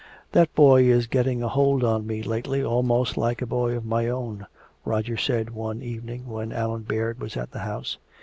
"That boy is getting a hold on me lately almost like a boy of my own," Roger said one evening when Allan Baird was at the house.